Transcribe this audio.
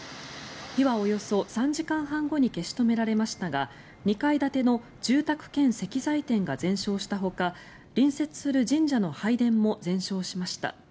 火はおよそ３時間半後に消し止められましたが２階建ての住宅兼石材店が全焼したほか隣接する神社の拝殿も全焼しました。